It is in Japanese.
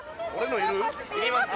いります。